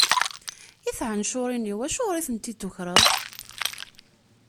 I tɛencuṛin-iw, acuɣer i tent-id-tukwreḍ?